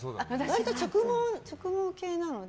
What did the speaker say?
割と直毛系なので。